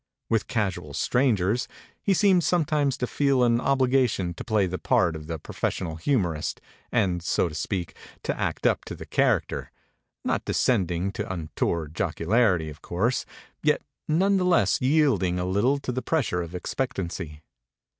With casual strangers, he seemed sometimes to feel an obli gation to play the part of the professional hu morist and, so to speak, to act up to the char acter, not descending to untoward jocularity, of course, yet none the less yielding a little to the pressure of expectancy.